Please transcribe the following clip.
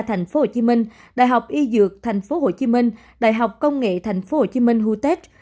tp hcm đại học y dược tp hcm đại học công nghệ tp hcm hutech